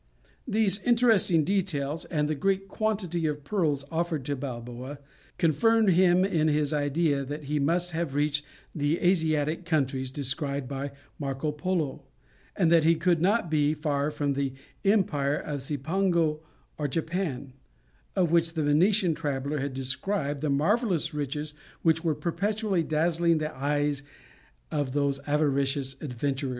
These interesting details, and the great quantity of pearls offered to Balboa, confirmed him in his idea, that he must have reached the Asiatic countries described by Marco Polo, and that he could not be far from the empire of Cipango or Japan, of which the Venetian traveller had described the marvellous riches which were perpetually dazzling the eyes of these avaricious adventurers.